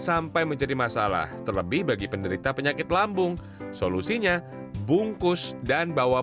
sampai menjadi masalah terlebih bagi penderita penyakit lambung solusinya bungkus dan bawa